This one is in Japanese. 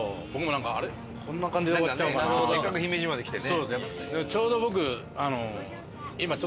せっかく姫路まで来てね。